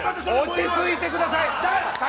落ち着いてください！